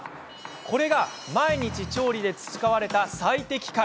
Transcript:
これが毎日、調理で培われた最適解。